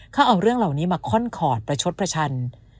เขาเอาเรื่องเหล่านี้มาค่อนคอร์ดประชดประชัน